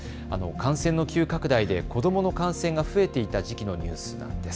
感染の急拡大で子どもの感染が増えていた時期のニュースなんです。